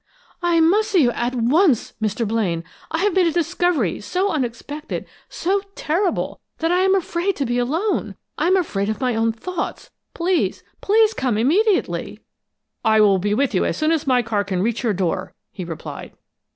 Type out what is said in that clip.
"I must see you at once, at once, Mr. Blaine! I have made a discovery so unexpected, so terrible, that I am afraid to be alone; I am afraid of my own thoughts. Please, please come immediately!" "I will be with you as soon as my car can reach your door," he replied.